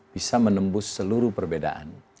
bisa menembus seluruh perbedaan